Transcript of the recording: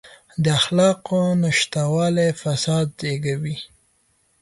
د اخلاقو نشتوالی فساد زېږوي.